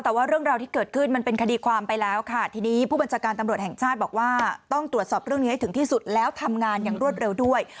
แต่ว่าเรื่องราวที่เกิดขึ้นมันเป็นคดีความไปแล้วค่ะทีนี้ผู้บัญชาการตำรวจแห่งชาติบอกว่าต้องตรวจสอบเรื่องนี้ให้ถึงที่สุดแล้วทำงานอย่างรวดเร็วด้วย